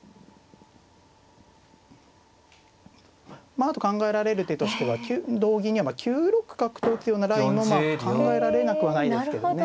まああと考えられる手としては同銀には９六角と打つようなラインも考えられなくはないですけどね。